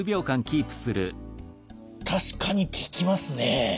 確かに効きますね。